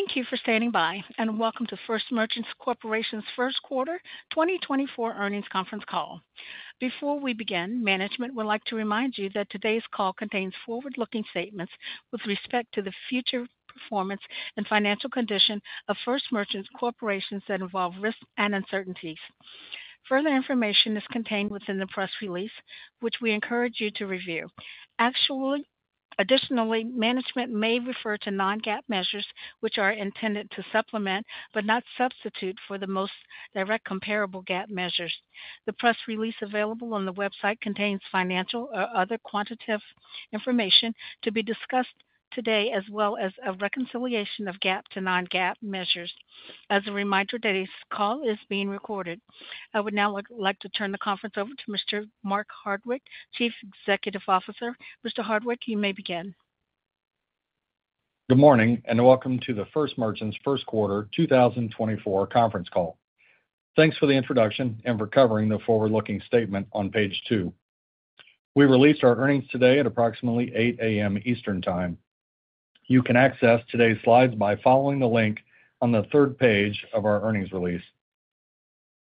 Thank you for standing by, and welcome to First Merchants Corporation's first quarter 2024 earnings conference call. Before we begin, management would like to remind you that today's call contains forward-looking statements with respect to the future performance and financial condition of First Merchants Corporation that involve risk and uncertainties. Further information is contained within the press release, which we encourage you to review. Additionally, management may refer to non-GAAP measures, which are intended to supplement but not substitute for the most direct comparable GAAP measures. The press release available on the website contains financial or other quantitative information to be discussed today, as well as a reconciliation of GAAP to non-GAAP measures. As a reminder, today's call is being recorded. I would now like to turn the conference over to Mr. Mark Hardwick, Chief Executive Officer. Mr. Hardwick, you may begin. Good morning, and welcome to the First Merchants' first quarter 2024 conference call. Thanks for the introduction and for covering the forward-looking statement on page two. We released our earnings today at approximately 8:00 A.M. Eastern Time. You can access today's slides by following the link on the third page of our earnings release.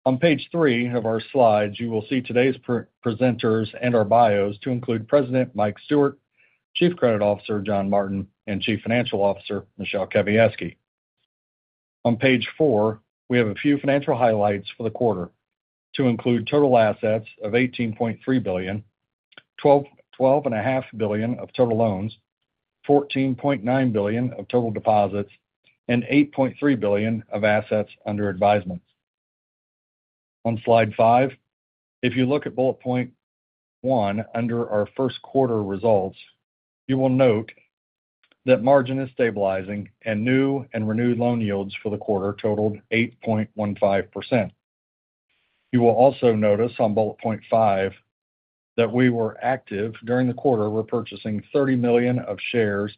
On page three of our slides, you will see today's presenters and our bios to include President Mike Stewart, Chief Credit Officer John Martin, and Chief Financial Officer Michele Kawiecki. On page four, we have a few financial highlights for the quarter to include total assets of $18.3 billion, $12.5 billion of total loans, $14.9 billion of total deposits, and $8.3 billion of assets under advisement. On slide five, if you look at bullet point one under our first quarter results, you will note that margin is stabilizing and new and renewed loan yields for the quarter totaled 8.15%. You will also notice on bullet point five that we were active during the quarter repurchasing $30 million of shares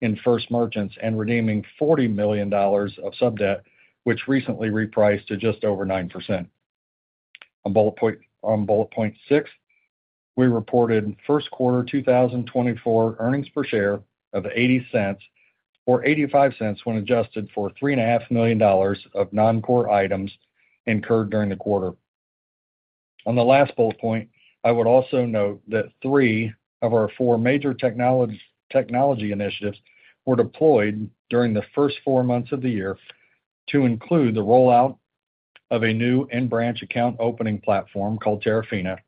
in First Merchants and redeeming $40 million of subdebt, which recently repriced to just over 9%. On bullet point six, we reported first quarter 2024 earnings per share of $0.80 or $0.85 when adjusted for $3.5 million of non-core items incurred during the quarter. On the last bullet point, I would also note that three of our four major technology initiatives were deployed during the first four months of the year to include the rollout of a new in-branch account opening platform called Terafina,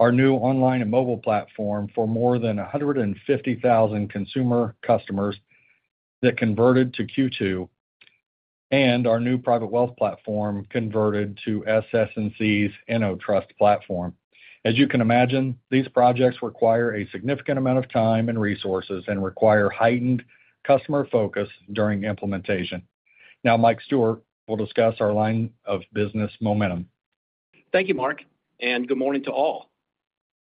our new online and mobile platform for more than 150,000 consumer customers that converted to Q2, and our new private wealth platform converted to SS&C's InnoTrust platform. As you can imagine, these projects require a significant amount of time and resources and require heightened customer focus during implementation. Now, Mike Stewart will discuss our line of business momentum. Thank you, Mark, and good morning to all.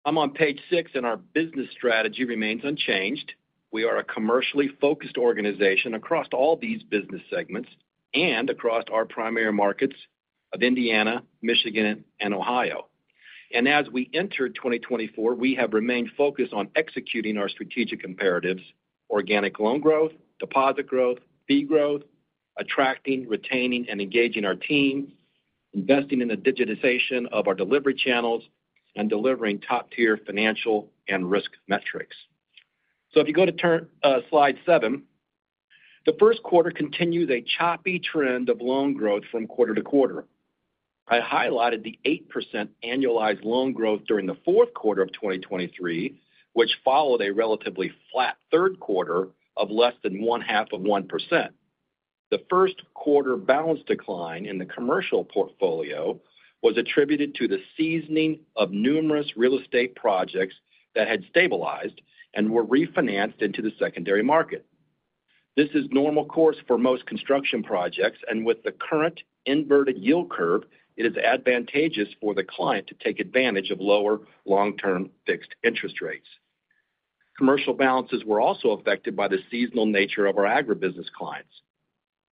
I'm on page six, and our business strategy remains unchanged. We are a commercially focused organization across all these business segments and across our primary markets of Indiana, Michigan, and Ohio. As we entered 2024, we have remained focused on executing our strategic imperatives: organic loan growth, deposit growth, fee growth, attracting, retaining, and engaging our team, investing in the digitization of our delivery channels, and delivering top-tier financial and risk metrics. So if you go to slide seven, the first quarter continues a choppy trend of loan growth from quarter-to-quarter. I highlighted the 8% annualized loan growth during the fourth quarter of 2023, which followed a relatively flat third quarter of less than 0.5%. The first quarter balance decline in the commercial portfolio was attributed to the seasoning of numerous real estate projects that had stabilized and were refinanced into the secondary market. This is normal course for most construction projects, and with the current inverted yield curve, it is advantageous for the client to take advantage of lower long-term fixed interest rates. Commercial balances were also affected by the seasonal nature of our agribusiness clients.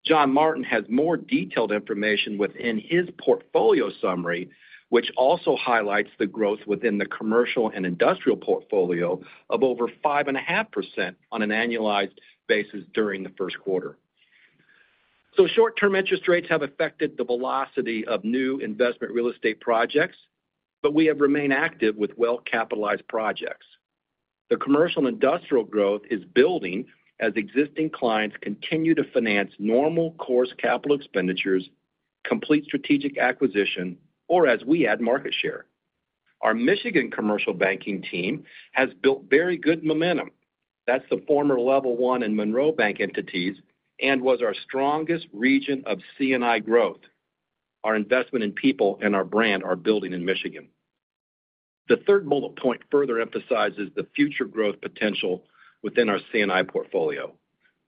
John Martin has more detailed information within his portfolio summary, which also highlights the growth within the commercial and industrial portfolio of over 5.5% on an annualized basis during the first quarter. So short-term interest rates have affected the velocity of new investment real estate projects, but we have remained active with well-capitalized projects. The commercial and industrial growth is building as existing clients continue to finance normal course capital expenditures, complete strategic acquisition, or as we add market share. Our Michigan commercial banking team has built very good momentum. That's the former Level One and Monroe Bank entities and was our strongest region of C&I growth. Our investment in people and our brand are building in Michigan. The third bullet point further emphasizes the future growth potential within our C&I portfolio.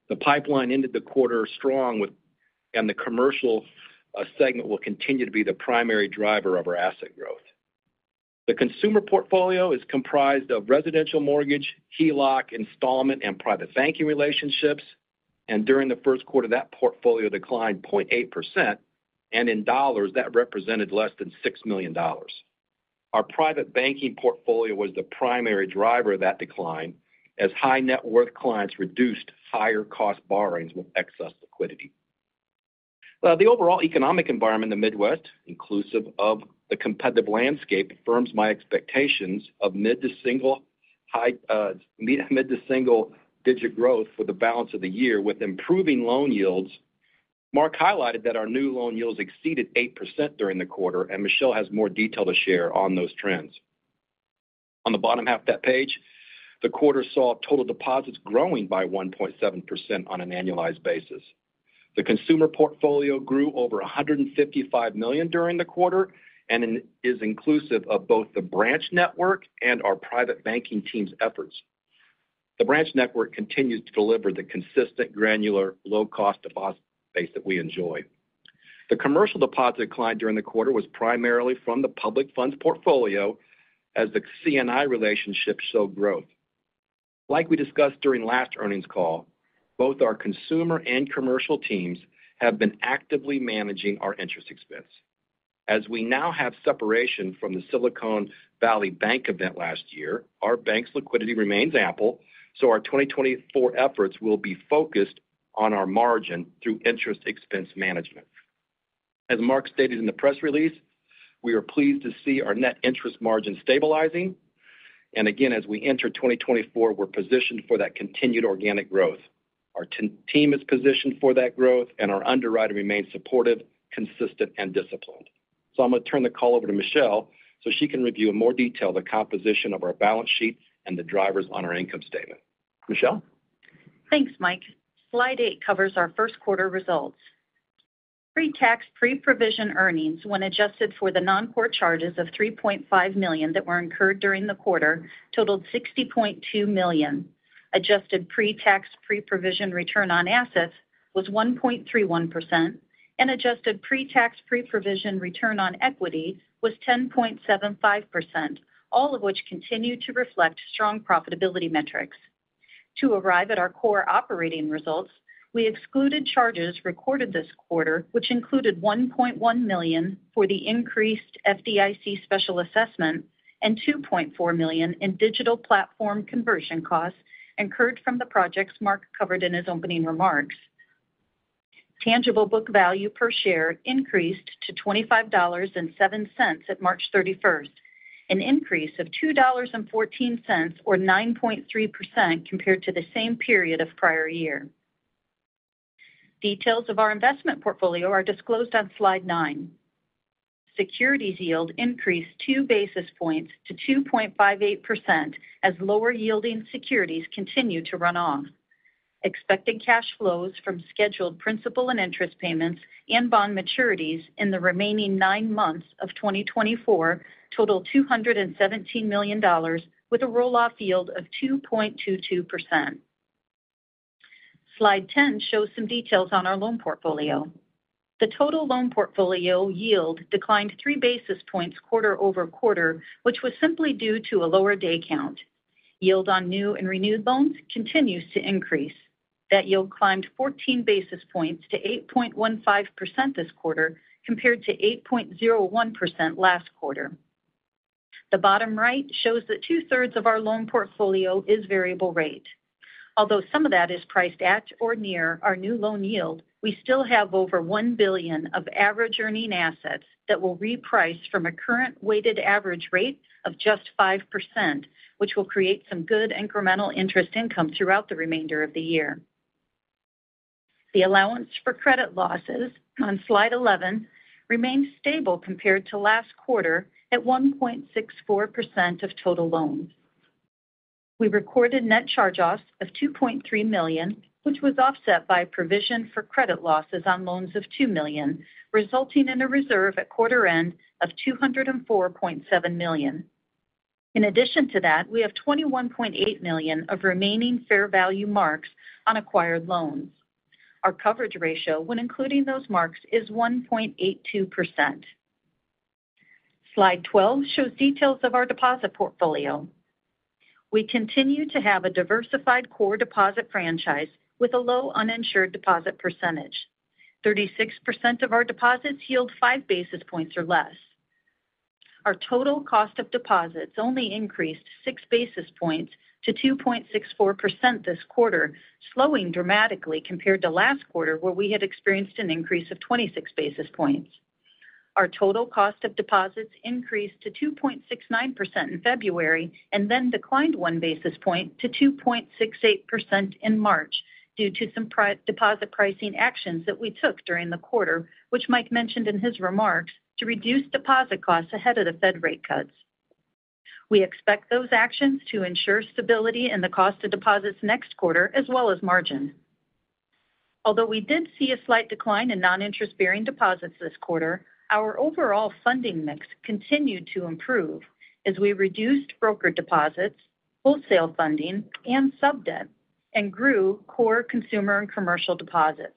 The pipeline ended the quarter strong, and the commercial segment will continue to be the primary driver of our asset growth. The consumer portfolio is comprised of residential mortgage, HELOC installment, and private banking relationships, and during the first quarter, that portfolio declined 0.8%, and in dollars, that represented less than $6 million. Our private banking portfolio was the primary driver of that decline as high-net-worth clients reduced higher-cost borrowings with excess liquidity. The overall economic environment in the Midwest, inclusive of the competitive landscape, affirms my expectations of mid- to single-digit growth for the balance of the year with improving loan yields. Mark highlighted that our new loan yields exceeded 8% during the quarter, and Michele has more detail to share on those trends. On the bottom half of that page, the quarter saw total deposits growing by 1.7% on an annualized basis. The consumer portfolio grew over $155 million during the quarter and is inclusive of both the branch network and our private banking team's efforts. The branch network continues to deliver the consistent, granular, low-cost deposit base that we enjoy. The commercial deposit decline during the quarter was primarily from the public funds portfolio as the C&I relationships showed growth. Like we discussed during last earnings call, both our consumer and commercial teams have been actively managing our interest expense. As we now have separation from the Silicon Valley Bank event last year, our bank's liquidity remains ample, so our 2024 efforts will be focused on our margin through interest expense management. As Mark stated in the press release, we are pleased to see our net interest margin stabilizing. And again, as we enter 2024, we're positioned for that continued organic growth. Our team is positioned for that growth, and our underwriter remains supportive, consistent, and disciplined. So I'm going to turn the call over to Michele so she can review in more detail the composition of our balance sheet and the drivers on our income statement. Michele. Thanks, Mike. Slide eight covers our first quarter results. Pre-tax pre-provision earnings, when adjusted for the non-core charges of $3.5 million that were incurred during the quarter, totaled $60.2 million. Adjusted pre-tax pre-provision return on assets was 1.31%, and adjusted pre-tax pre-provision return on equity was 10.75%, all of which continue to reflect strong profitability metrics. To arrive at our core operating results, we excluded charges recorded this quarter, which included $1.1 million for the increased FDIC special assessment and $2.4 million in digital platform conversion costs incurred from the projects Mark covered in his opening remarks. Tangible book value per share increased to $25.07 at March 31st, an increase of $2.14 or 9.3% compared to the same period of prior year. Details of our investment portfolio are disclosed on Slide nine. Securities yield increased two basis points to 2.58% as lower-yielding securities continue to run off. Expected cash flows from scheduled principal and interest payments and bond maturities in the remaining nine months of 2024 totaled $217 million, with a rolloff yield of 2.22%. Slide 10 shows some details on our loan portfolio. The total loan portfolio yield declined three basis points quarter-over-quarter, which was simply due to a lower day count. Yield on new and renewed loans continues to increase. That yield climbed 14 basis points to 8.15% this quarter compared to 8.01% last quarter. The bottom right shows that two-thirds of our loan portfolio is variable rate. Although some of that is priced at or near our new loan yield, we still have over $1 billion of average earning assets that will reprice from a current weighted average rate of just 5%, which will create some good incremental interest income throughout the remainder of the year. The allowance for credit losses on slide 11 remains stable compared to last quarter at 1.64% of total loans. We recorded net charge-offs of $2.3 million, which was offset by a provision for credit losses on loans of $2 million, resulting in a reserve at quarter end of $204.7 million. In addition to that, we have $21.8 million of remaining fair value marks on acquired loans. Our coverage ratio when including those marks is 1.82%. Slide 12 shows details of our deposit portfolio. We continue to have a diversified core deposit franchise with a low uninsured deposit percentage. 36% of our deposits yield five basis points or less. Our total cost of deposits only increased six basis points to 2.64% this quarter, slowing dramatically compared to last quarter where we had experienced an increase of 26 basis points. Our total cost of deposits increased to 2.69% in February and then declined one basis point to 2.68% in March due to some deposit pricing actions that we took during the quarter, which Mike mentioned in his remarks to reduce deposit costs ahead of the Fed rate cuts. We expect those actions to ensure stability in the cost of deposits next quarter as well as margin. Although we did see a slight decline in non-interest-bearing deposits this quarter, our overall funding mix continued to improve as we reduced brokered deposits, wholesale funding, and subdebt, and grew core consumer and commercial deposits.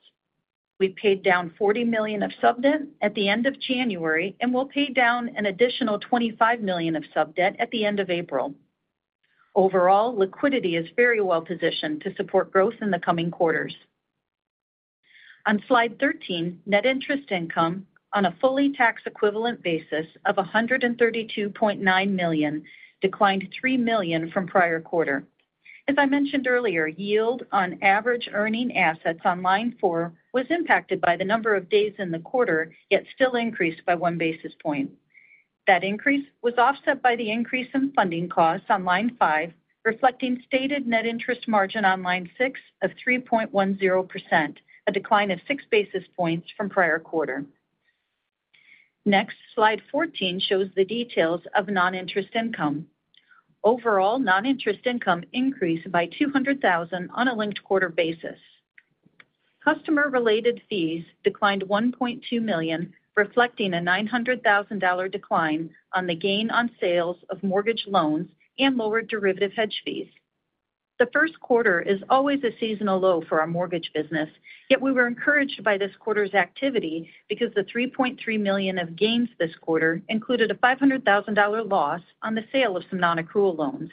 We paid down $40 million of subdebt at the end of January and will pay down an additional $25 million of subdebt at the end of April. Overall, liquidity is very well positioned to support growth in the coming quarters. On slide 13, net interest income on a fully tax equivalent basis of $132.9 million declined $3 million from prior quarter. As I mentioned earlier, yield on average earning assets on line four was impacted by the number of days in the quarter, yet still increased by one basis point. That increase was offset by the increase in funding costs on line five, reflecting stated net interest margin on line six of 3.10%, a decline of 6 basis points from prior quarter. Next, slide 14 shows the details of non-interest income. Overall, non-interest income increased by $200,000 on a linked quarter basis. Customer-related fees declined $1.2 million, reflecting a $900,000 decline on the gain on sales of mortgage loans and lowered derivative hedge fees. The first quarter is always a seasonal low for our mortgage business, yet we were encouraged by this quarter's activity because the $3.3 million of gains this quarter included a $500,000 loss on the sale of some non-accrual loans.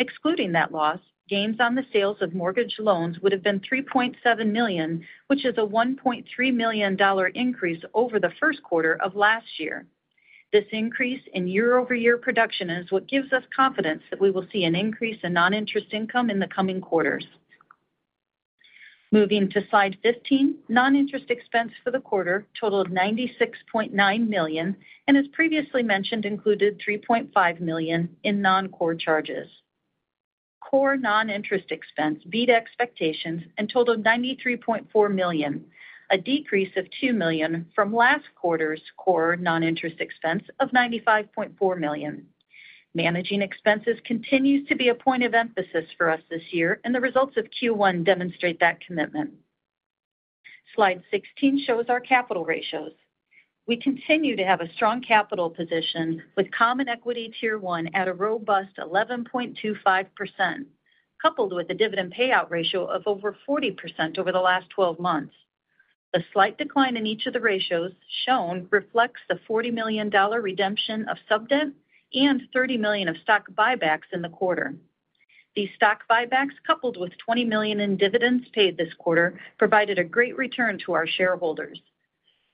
Excluding that loss, gains on the sales of mortgage loans would have been $3.7 million, which is a $1.3 million increase over the first quarter of last year. This increase in year-over-year production is what gives us confidence that we will see an increase in non-interest income in the coming quarters. Moving to slide 15, non-interest expense for the quarter totaled $96.9 million and, as previously mentioned, included $3.5 million in non-core charges. Core non-interest expense beat expectations and totaled $93.4 million, a decrease of $2 million from last quarter's core non-interest expense of $95.4 million. Managing expenses continues to be a point of emphasis for us this year, and the results of Q1 demonstrate that commitment. Slide 16 shows our capital ratios. We continue to have a strong capital position with Common Equity Tier 1 at a robust 11.25%, coupled with a dividend payout ratio of over 40% over the last 12 months. A slight decline in each of the ratios shown reflects the $40 million redemption of subdebt and $30 million of stock buybacks in the quarter. These stock buybacks, coupled with $20 million in dividends paid this quarter, provided a great return to our shareholders.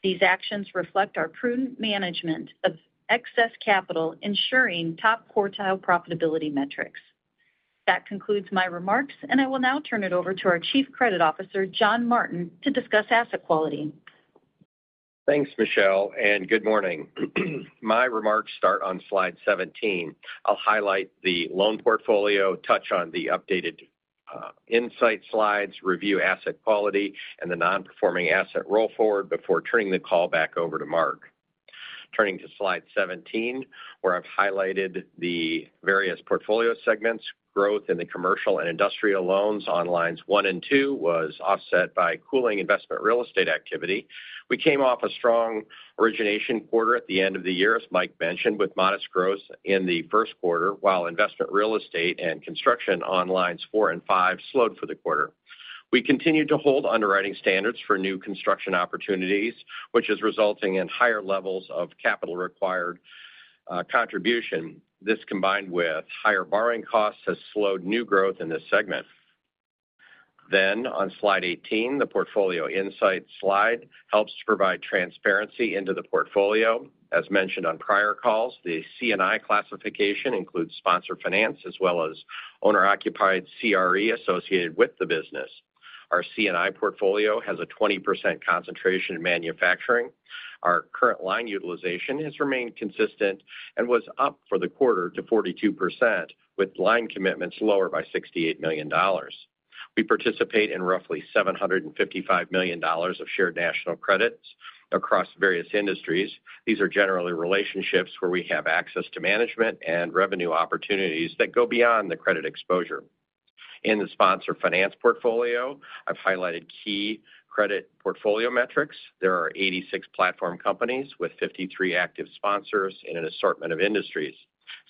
These actions reflect our prudent management of excess capital, ensuring top quartile profitability metrics. That concludes my remarks, and I will now turn it over to our Chief Credit Officer, John Martin, to discuss asset quality. Thanks, Michele, and good morning. My remarks start on slide 17. I'll highlight the loan portfolio, touch on the updated insight slides, review asset quality, and the non-performing asset roll forward before turning the call back over to Mark. Turning to slide 17, where I've highlighted the various portfolio segments, growth in the commercial and industrial loans on lines one and two was offset by cooling investment real estate activity. We came off a strong origination quarter at the end of the year, as Mike mentioned, with modest growth in the first quarter, while investment real estate and construction on lines four and five slowed for the quarter. We continue to hold underwriting standards for new construction opportunities, which is resulting in higher levels of capital required contribution. This, combined with higher borrowing costs, has slowed new growth in this segment. On slide 18, the portfolio insight slide helps to provide transparency into the portfolio. As mentioned on prior calls, the C&I classification includes sponsor finance as well as owner-occupied CRE associated with the business. Our C&I portfolio has a 20% concentration in manufacturing. Our current line utilization has remained consistent and was up for the quarter to 42%, with line commitments lower by $68 million. We participate in roughly $755 million of shared national credits across various industries. These are generally relationships where we have access to management and revenue opportunities that go beyond the credit exposure. In the sponsor finance portfolio, I've highlighted key credit portfolio metrics. There are 86 platform companies with 53 active sponsors in an assortment of industries.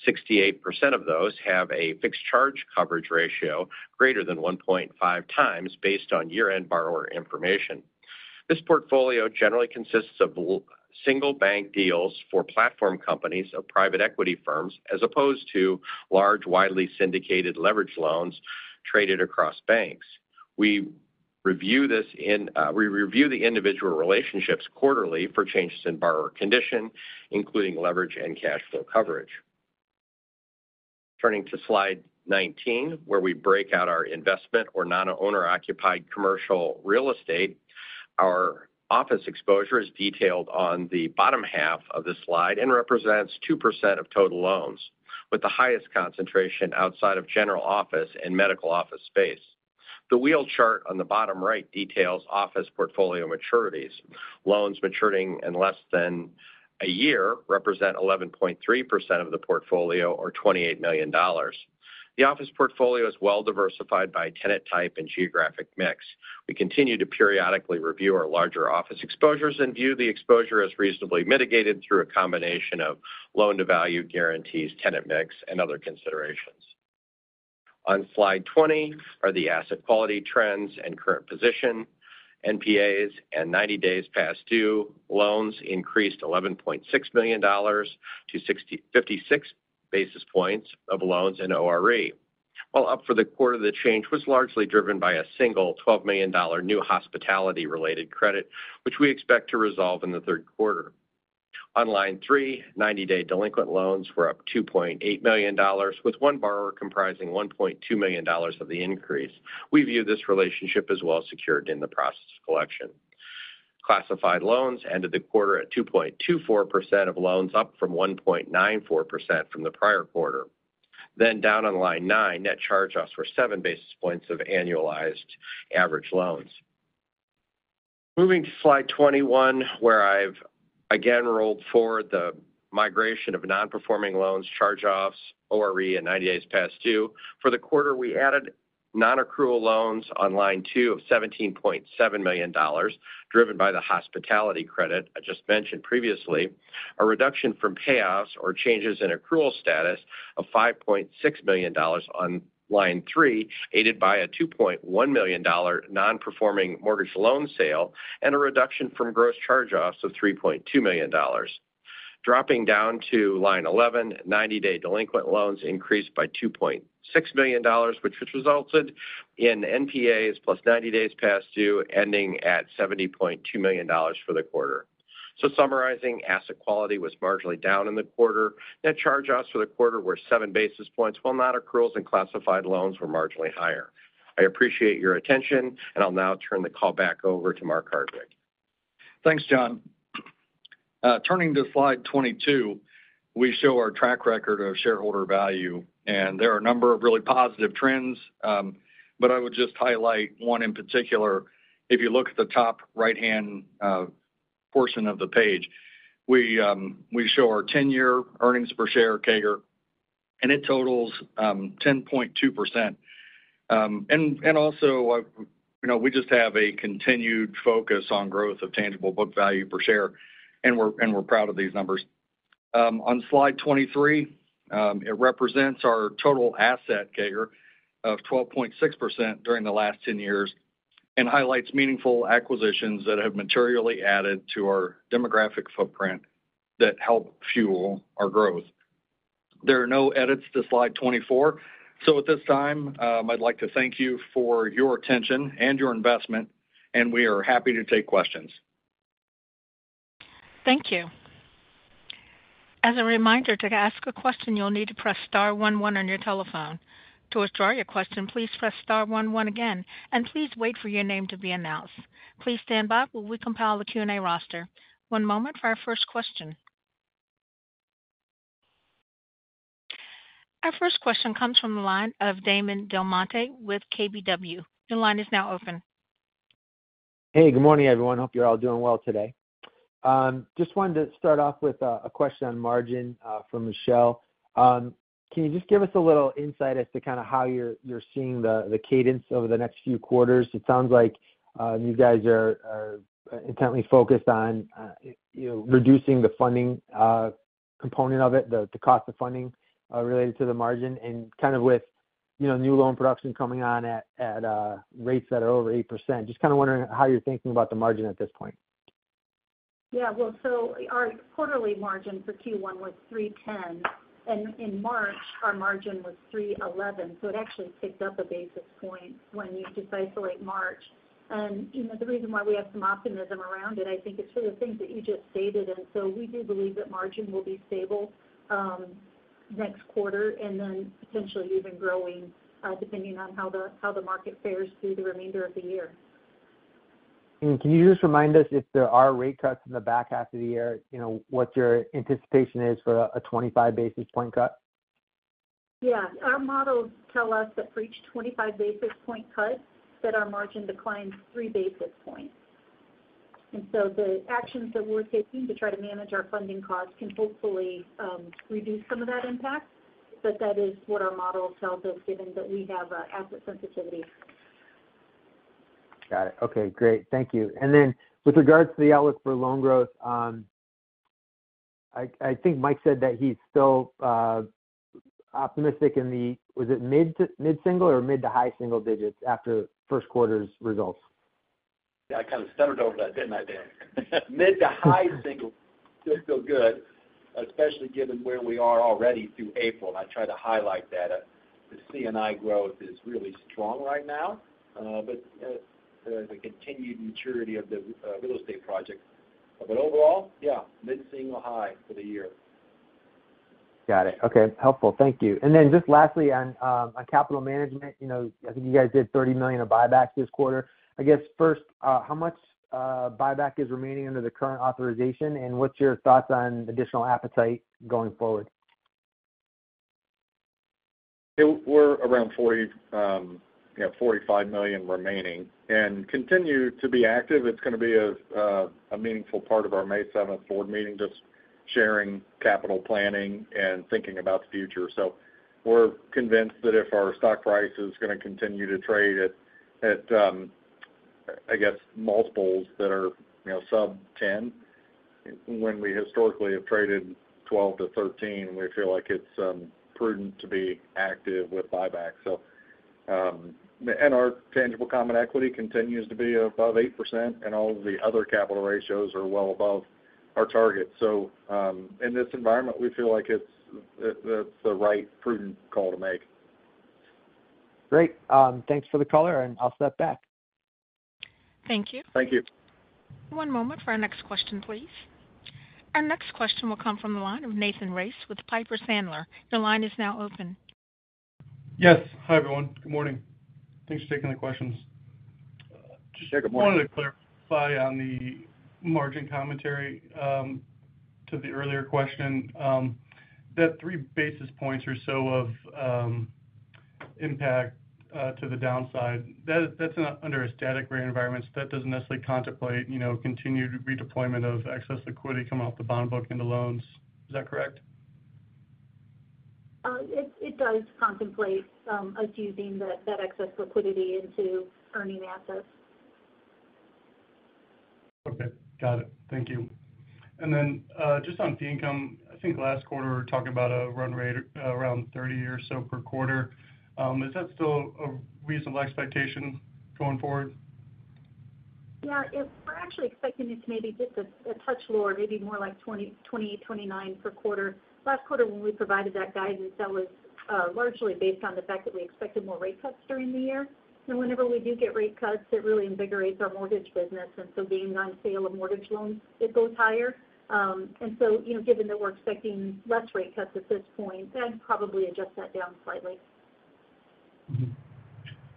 68% of those have a fixed charge coverage ratio greater than 1.5 times based on year-end borrower information. This portfolio generally consists of single bank deals for platform companies of private equity firms as opposed to large, widely syndicated leveraged loans traded across banks. We review this and the individual relationships quarterly for changes in borrower condition, including leverage and cash flow coverage. Turning to slide 19, where we break out our investment or non-owner-occupied commercial real estate, our office exposure is detailed on the bottom half of the slide and represents 2% of total loans, with the highest concentration outside of general office and medical office space. The wheel chart on the bottom right details office portfolio maturities. Loans maturing in less than a year represent 11.3% of the portfolio or $28 million. The office portfolio is well diversified by tenant type and geographic mix. We continue to periodically review our larger office exposures and view the exposure as reasonably mitigated through a combination of loan-to-value guarantees, tenant mix, and other considerations. On slide 20 are the asset quality trends and current position. NPAs and 90 days past due loans increased $11.6 million to 56 basis points of loans in ORE, while up for the quarter. The change was largely driven by a single $12 million new hospitality-related credit, which we expect to resolve in the third quarter. On line three, 90-day delinquent loans were up $2.8 million, with one borrower comprising $1.2 million of the increase. We view this relationship as well secured in the process of collection. Classified loans ended the quarter at 2.24% of loans, up from 1.94% from the prior quarter. Then, down on line nine, net charge-offs were seven basis points of annualized average loans. Moving to slide 21, where I've again rolled forward the migration of non-performing loans, charge-offs, ORE, and 90 days past due. For the quarter, we added non-accrual loans on line two of $17.7 million, driven by the hospitality credit I just mentioned previously, a reduction from payoffs or changes in accrual status of $5.6 million on line three, aided by a $2.1 million non-performing mortgage loan sale and a reduction from gross charge-offs of $3.2 million. Dropping down to line 11, 90-day delinquent loans increased by $2.6 million, which resulted in NPAs plus 90 days past due ending at $70.2 million for the quarter. So, summarizing, asset quality was marginally down in the quarter. Net charge-offs for the quarter were seven basis points, while non-accruals and classified loans were marginally higher. I appreciate your attention, and I'll now turn the call back over to Mark Hardwick. Thanks, John. Turning to slide 22, we show our track record of shareholder value, and there are a number of really positive trends, but I would just highlight one in particular. If you look at the top right-hand portion of the page, we show our 10-year earnings per share CAGR, and it totals 10.2%. Also, we just have a continued focus on growth of tangible book value per share, and we're proud of these numbers. On slide 23, it represents our total asset CAGR of 12.6% during the last 10 years and highlights meaningful acquisitions that have materially added to our demographic footprint that help fuel our growth. There are no edits to slide 24, so at this time, I'd like to thank you for your attention and your investment, and we are happy to take questions. Thank you. As a reminder, to ask a question, you'll need to press star one one on your telephone. To withdraw your question, please press star one one again, and please wait for your name to be announced. Please stand back while we compile the Q&A roster. One moment for our first question. Our first question comes from the line of Damon DelMonte with KBW. Your line is now open. Hey, good morning, everyone. Hope you're all doing well today. Just wanted to start off with a question on margin from Michele. Can you just give us a little insight as to kind of how you're seeing the cadence over the next few quarters? It sounds like you guys are intently focused on reducing the funding component of it, the cost of funding related to the margin, and kind of with new loan production coming on at rates that are over 8%. Just kind of wondering how you're thinking about the margin at this point. Yeah, well, so our quarterly margin for Q1 was 310, and in March, our margin was 311, so it actually picked up a basis point when you just isolate March. And the reason why we have some optimism around it, I think, is for the things that you just stated, and so we do believe that margin will be stable next quarter and then potentially even growing depending on how the market fares through the remainder of the year. Can you just remind us if there are rate cuts in the back half of the year, what your anticipation is for a 25 basis point cut? Yeah, our models tell us that for each 25 basis point cut, that our margin declines three basis points. And so the actions that we're taking to try to manage our funding costs can hopefully reduce some of that impact, but that is what our model tells us given that we have asset sensitivity. Got it. Okay, great. Thank you. And then, with regards to the outlook for loan growth, I think Mike said that he's still optimistic in the, was it mid-single or mid- to high-single digits after first quarter's results? Yeah, I kind of stuttered over that, didn't I, Dan? Mid- to high-single still feels good, especially given where we are already through April. And I tried to highlight that. The C&I growth is really strong right now, but the continued maturity of the real estate project. But overall, yeah, mid- to high-single for the year. Got it. Okay, helpful. Thank you. And then just lastly on capital management, I think you guys did $30 million of buybacks this quarter. I guess first, how much buyback is remaining under the current authorization, and what's your thoughts on additional appetite going forward? We're around $45 million remaining. And continue to be active. It's going to be a meaningful part of our May 7th board meeting, just sharing capital planning and thinking about the future. So we're convinced that if our stock price is going to continue to trade at, I guess, multiples that are sub-10, when we historically have traded 12-13, we feel like it's prudent to be active with buybacks. And our tangible common equity continues to be above 8%, and all of the other capital ratios are well above our target. So in this environment, we feel like that's the right prudent call to make. Great. Thanks for the caller, and I'll step back. Thank you. Thank you. One moment for our next question, please. Our next question will come from the line of Nathan Race with Piper Sandler. Your line is now open. Yes. Hi, everyone. Good morning. Thanks for taking the questions. Yeah, good morning. I just wanted to clarify on the margin commentary to the earlier question. That three basis points or so of impact to the downside, that's under a static rate environment. That doesn't necessarily contemplate continued redeployment of excess liquidity coming off the bond book into loans. Is that correct? It does contemplate us using that excess liquidity into earning assets. Okay. Got it. Thank you. Then just on fee income, I think last quarter we were talking about a run rate around 30 or so per quarter. Is that still a reasonable expectation going forward? Yeah, we're actually expecting it to maybe just a touch lower, maybe more like 28, 29 per quarter. Last quarter, when we provided that guidance, that was largely based on the fact that we expected more rate cuts during the year. Whenever we do get rate cuts, it really invigorates our mortgage business, and so gains on sale of mortgage loans, it goes higher. So given that we're expecting less rate cuts at this point, that'd probably adjust that down slightly.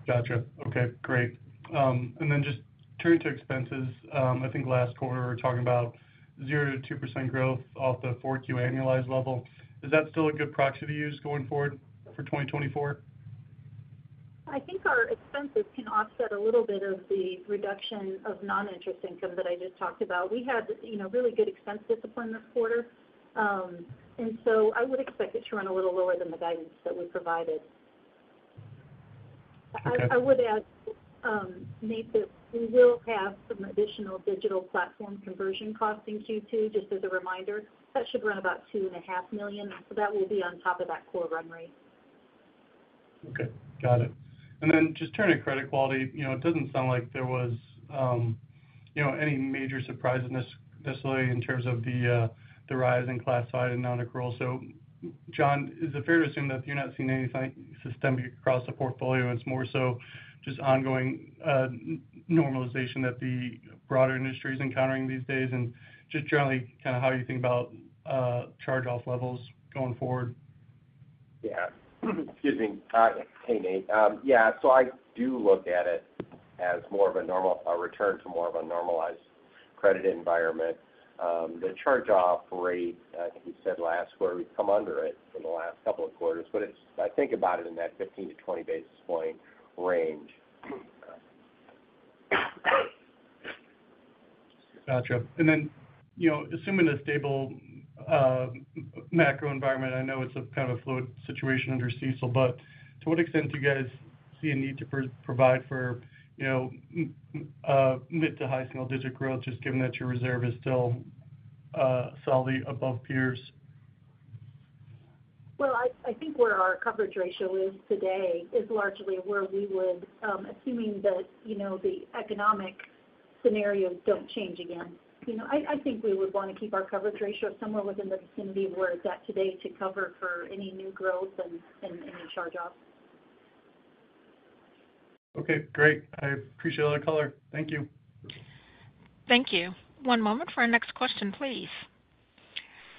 Gotcha. Okay, great. And then just turning to expenses, I think last quarter we were talking about 0%-2% growth off the 4Q annualized level. Is that still a good proxy to use going forward for 2024? I think our expenses can offset a little bit of the reduction of non-interest income that I just talked about. We had really good expense discipline this quarter, and so I would expect it to run a little lower than the guidance that we provided. I would add, Nate, that we will have some additional digital platform conversion cost in Q2, just as a reminder. That should run about $2.5 million, so that will be on top of that core run rate. Okay. Got it. And then just turning to credit quality, it doesn't sound like there was any major surprise necessarily in terms of the rise in classified and non-accrual. So, John, is it fair to assume that you're not seeing anything systemic across the portfolio? It's more so just ongoing normalization that the broader industry is encountering these days, and just generally kind of how you think about charge-off levels going forward? Yeah. Excuse me. Hey, Nate. Yeah, so I do look at it as more of a return to more of a normalized credit environment. The charge-off rate, I think you said last quarter, we've come under it in the last couple of quarters, but I think about it in that 15-20 basis point range. Gotcha. And then assuming a stable macro environment, I know it's a kind of a fluid situation under CECL, but to what extent do you guys see a need to provide for mid- to high-single-digit growth just given that your reserve is still solidly above peers? Well, I think where our coverage ratio is today is largely where we would, assuming that the economic scenarios don't change again. I think we would want to keep our coverage ratio somewhere within the vicinity of where it's at today to cover for any new growth and any charge-offs. Okay, great. I appreciate all the color. Thank you. Thank you. One moment for our next question, please.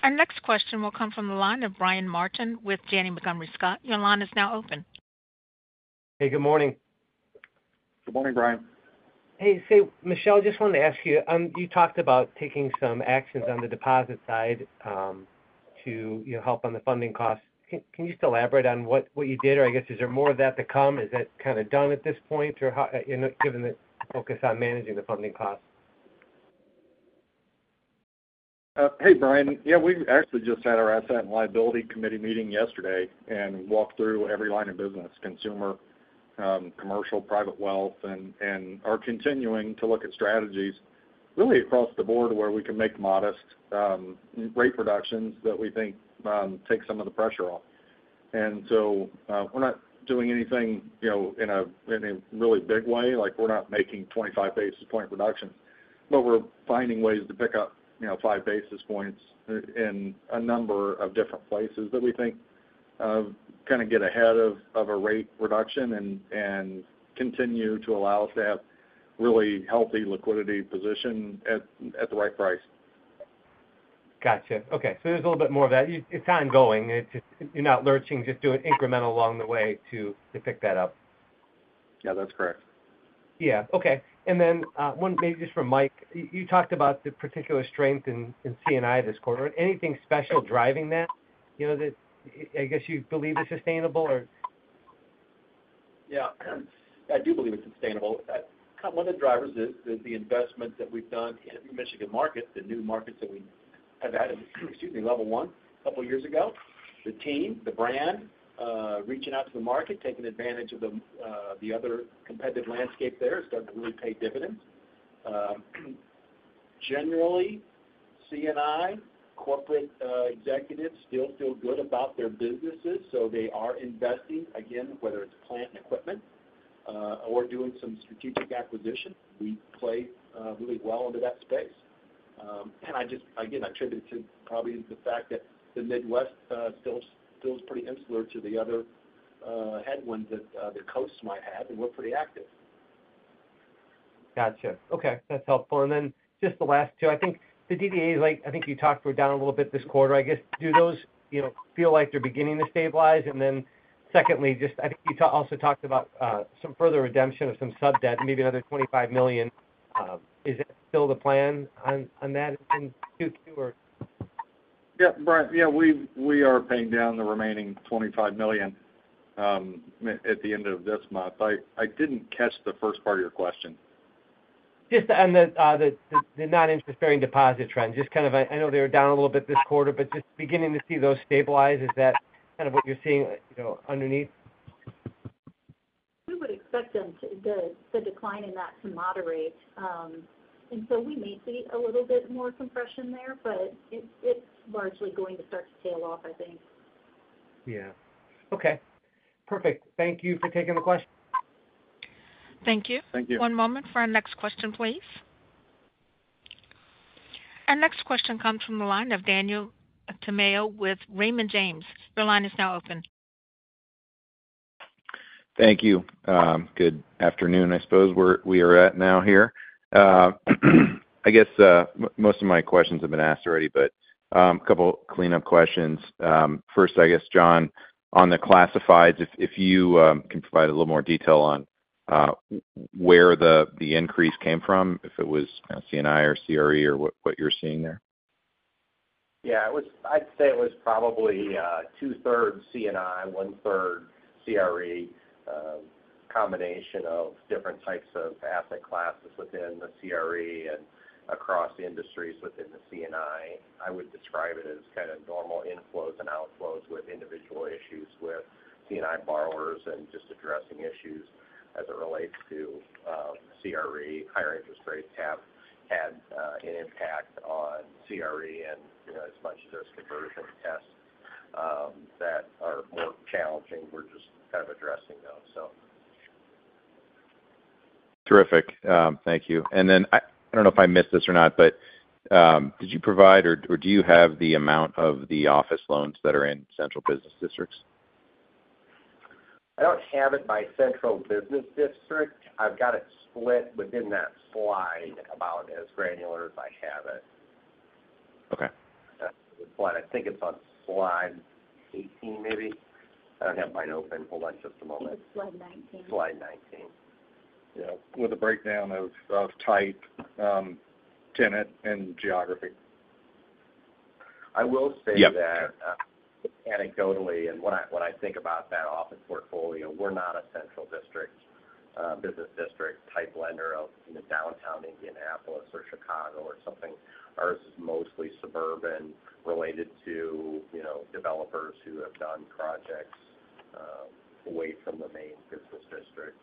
Our next question will come from the line of Brian Martin with Janney Montgomery Scott. Your line is now open. Hey, good morning. Good morning, Brian. Hey, Michele, I just wanted to ask you, you talked about taking some actions on the deposit side to help on the funding costs. Can you just elaborate on what you did, or I guess is there more of that to come? Is that kind of done at this point, or given the focus on managing the funding costs? Hey, Brian. Yeah, we actually just had our asset and liability committee meeting yesterday and walked through every line of business: consumer, commercial, private wealth, and are continuing to look at strategies really across the board where we can make modest rate reductions that we think take some of the pressure off. So we're not doing anything in a really big way. We're not making 25 basis points reductions, but we're finding ways to pick up five basis points in a number of different places that we think kind of get ahead of a rate reduction and continue to allow us to have really healthy liquidity position at the right price. Gotcha. Okay. So there's a little bit more of that. It's ongoing. You're not lurching. Just do it incremental along the way to pick that up. Yeah, that's correct. Yeah. Okay. And then maybe just from Mike, you talked about the particular strength in C&I this quarter. Anything special driving that that I guess you believe is sustainable, or? Yeah, I do believe it's sustainable. One of the drivers is the investment that we've done in the Michigan market, the new markets that we have had in, excuse me, Level One a couple of years ago. The team, the brand, reaching out to the market, taking advantage of the other competitive landscape there is starting to really pay dividends. Generally, C&I corporate executives still feel good about their businesses, so they are investing, again, whether it's plant and equipment or doing some strategic acquisition. We play really well under that space. And again, I attribute it to probably the fact that the Midwest still feels pretty insular to the other headwinds that the coast might have, and we're pretty active. Gotcha. Okay. That's helpful. And then just the last two. I think the DDAs, I think you talked were down a little bit this quarter. I guess do those feel like they're beginning to stabilize? And then secondly, I think you also talked about some further redemption of some subdebt, maybe another $25 million. Is that still the plan on that in Q2, or? Yeah, Brian. Yeah, we are paying down the remaining $25 million at the end of this month. I didn't catch the first part of your question. Just on the non-interest bearing deposit trend, just kind of I know they were down a little bit this quarter, but just beginning to see those stabilize. Is that kind of what you're seeing underneath? We would expect the decline in that to moderate. And so we may see a little bit more compression there, but it's largely going to start to tail off, I think. Yeah. Okay. Perfect. Thank you for taking the question. Thank you. Thank you. One moment for our next question, please. Our next question comes from the line of Daniel Tamayo with Raymond James. Your line is now open. Thank you. Good afternoon, I suppose, we are at now here. I guess most of my questions have been asked already, but a couple of cleanup questions. First, I guess, John, on the classifieds, if you can provide a little more detail on where the increase came from, if it was C&I or CRE or what you're seeing there. Yeah, I'd say it was probably two-thirds C&I, one-third CRE, combination of different types of asset classes within the CRE and across industries within the C&I. I would describe it as kind of normal inflows and outflows with individual issues with C&I borrowers and just addressing issues as it relates to CRE. Higher interest rates have had an impact on CRE, and as much as there's conversion tests that are more challenging, we're just kind of addressing those, so. Terrific. Thank you. And then I don't know if I missed this or not, but did you provide or do you have the amount of the office loans that are in central business districts? I don't have it by central business district. I've got it split within that slide about as granular as I have it. Okay. I think it's on slide 18, maybe. I don't have mine open. Hold on just a moment. It's slide 19. Slide 19. Yeah, with a breakdown of type, tenant, and geography. I will say that anecdotally and when I think about that office portfolio, we're not a central business district-type lender of downtown Indianapolis or Chicago or something. Ours is mostly suburban, related to developers who have done projects away from the main business district.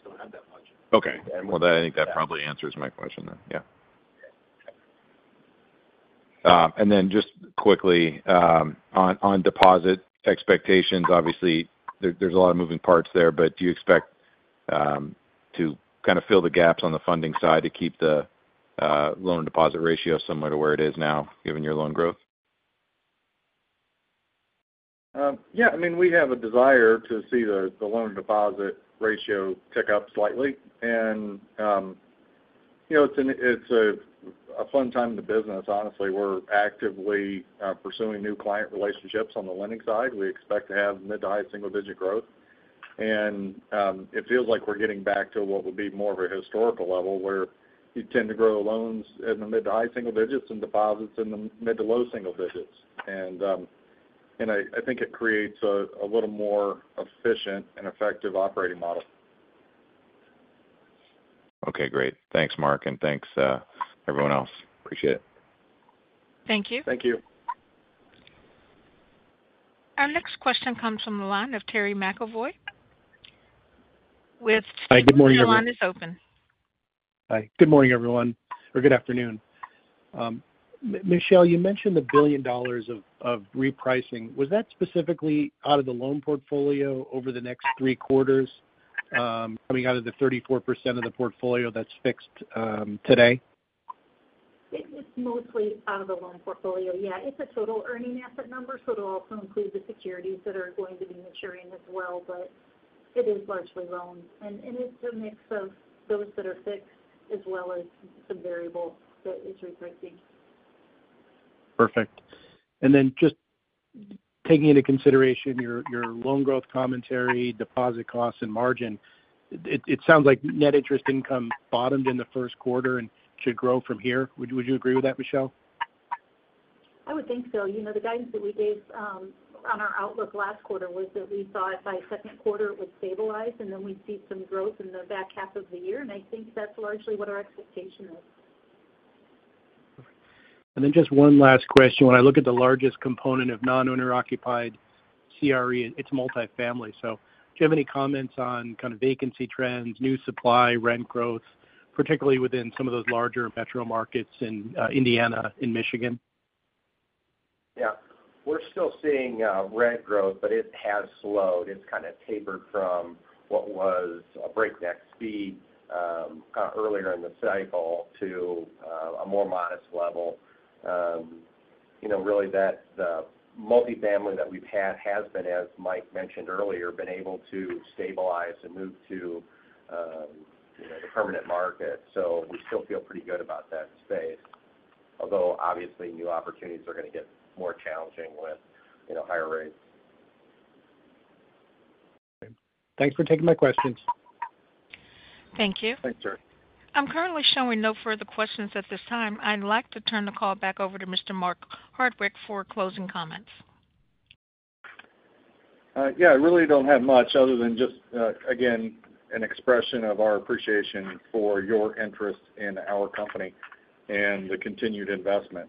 Still have that budget. Okay. Well, I think that probably answers my question then. Yeah. And then just quickly, on deposit expectations, obviously, there's a lot of moving parts there, but do you expect to kind of fill the gaps on the funding side to keep the loan and deposit ratio similar to where it is now given your loan growth? Yeah. I mean, we have a desire to see the loan and deposit ratio tick up slightly. It's a fun time in the business, honestly. We're actively pursuing new client relationships on the lending side. We expect to have mid- to high-single-digit growth. It feels like we're getting back to what would be more of a historical level where you tend to grow loans in the mid- to high-single digits and deposits in the mid- to low-single digits. I think it creates a little more efficient and effective operating model. Okay, great. Thanks, Mark, and thanks, everyone else. Appreciate it. Thank you. Thank you. Our next question comes from the line of Terry McEvoy with. Hi, good morning, everyone. Your line is open. Hi. Good morning, everyone, or good afternoon. Michele, you mentioned the $1 billion of repricing. Was that specifically out of the loan portfolio over the next three quarters, coming out of the 34% of the portfolio that's fixed today? It's mostly out of the loan portfolio. Yeah, it's a total earning asset number, so it'll also include the securities that are going to be maturing as well, but it is largely loans. And it's a mix of those that are fixed as well as some variable that is repricing. Perfect. And then just taking into consideration your loan growth commentary, deposit costs, and margin, it sounds like net interest income bottomed in the first quarter and should grow from here. Would you agree with that, Michele? I would think so. The guidance that we gave on our outlook last quarter was that we thought by second quarter, it would stabilize, and then we'd see some growth in the back half of the year. I think that's largely what our expectation is. Perfect. And then just one last question. When I look at the largest component of non-owner-occupied CRE, it's multifamily. So do you have any comments on kind of vacancy trends, new supply, rent growth, particularly within some of those larger metro markets in Indiana and Michigan? Yeah. We're still seeing rent growth, but it has slowed. It's kind of tapered from what was a breakneck speed kind of earlier in the cycle to a more modest level. Really, the multifamily that we've had has been, as Mike mentioned earlier, able to stabilize and move to the permanent market. So we still feel pretty good about that space, although obviously, new opportunities are going to get more challenging with higher rates. Okay. Thanks for taking my questions. Thank you. Thanks, sir. I'm currently showing no further questions at this time. I'd like to turn the call back over to Mr. Mark Hardwick for closing comments. Yeah, I really don't have much other than just, again, an expression of our appreciation for your interest in our company and the continued investment.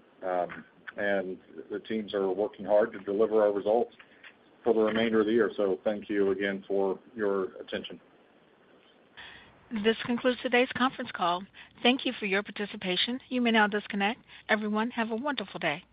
The teams are working hard to deliver our results for the remainder of the year. Thank you again for your attention. This concludes today's conference call. Thank you for your participation. You may now disconnect. Everyone, have a wonderful day.